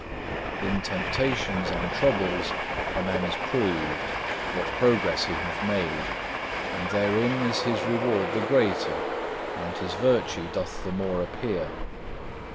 8. In temptations and troubles a man is proved, what progress he hath made, and therein is his reward the greater, and his virtue doth the more appear.